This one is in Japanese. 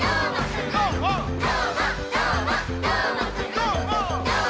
どーも！